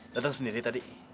datang sendiri tadi